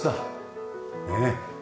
ねえ。